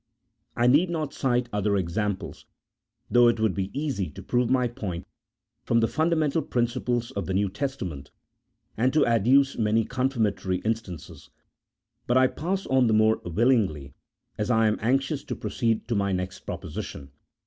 I need not cite other examples, though it would be easy to prove my point from the fundamental principles of the New Testament, and to adduce many confirmatory instances; but I pass on the more willingly, as I am anxious to pro ceed to my next proposition.